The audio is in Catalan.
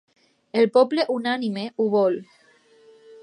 El poble unànime ho vol.